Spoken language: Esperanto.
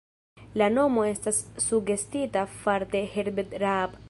La nomo estas sugestita far'de Herbert Raab.